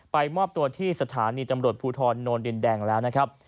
มอบตัวที่สถานีตำรวจภูทรโนนดินแดงแล้วนะครับ